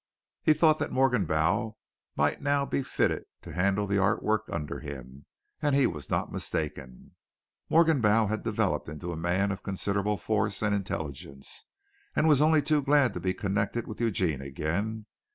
He thought that Morgenbau might now be fitted to handle the art work under him, and he was not mistaken. Morgenbau had developed into a man of considerable force and intelligence, and was only too glad to be connected with Eugene again.